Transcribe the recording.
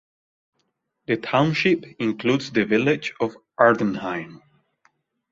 The township includes the village of Ardenheim.